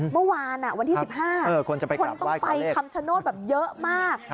เมื่อวานวันที่๑๕คนต้องไปคำชโนธแบบเยอะมาก